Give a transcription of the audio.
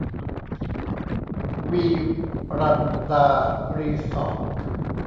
วีรันดา รีสอร์ท